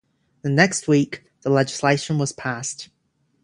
The next week the legislation was passed.